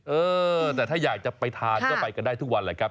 เออแต่ถ้าอยากจะไปทานก็ไปกันได้ทุกวันแหละครับ